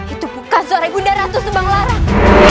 itu bukan suara ibu nda ratu semanglarang